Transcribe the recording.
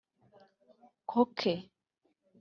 Koke